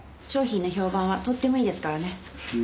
商品の評判はとってもいいですからね。